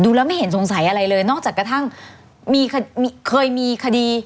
แล้วไม่เห็นสงสัยอะไรเลยนอกจากกระทั่งมีเคยมีคดี